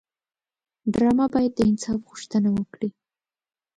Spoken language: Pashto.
ډرامه باید د انصاف غوښتنه وکړي